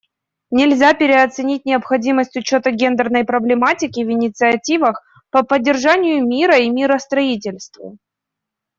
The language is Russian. Нельзя переоценить необходимость учета гендерной проблематики в инициативах по поддержанию мира и миростроительству.